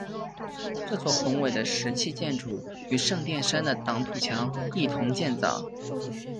这座宏伟的石砌建筑与圣殿山的挡土墙一同建造。